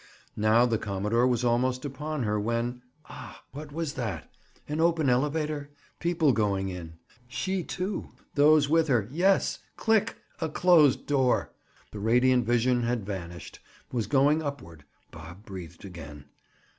Now the commodore was almost upon her when— Ah, what was that? An open elevator?—people going in?—She, too,—those with her—Yes—click! a closed door! The radiant vision had vanished, was going upward; Bob breathed again.